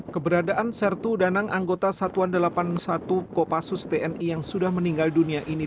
keberadaan sertu danang anggota satuan delapan puluh satu kopassus tni yang sudah meninggal dunia ini